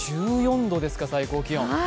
１４度ですか、最高気温。